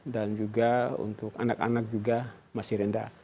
dan juga untuk anak anak juga masih rendah